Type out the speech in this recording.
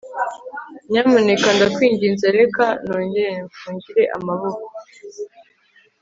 nyamuneka ndakwinginze reka nongere mfungure amaboko